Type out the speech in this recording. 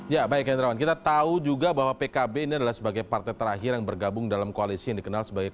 ya baik hendrawan kita tahu juga bahwa pkb ini adalah sebagai partai terakhir yang bergabung dalam koalisi yang dikenal sebagai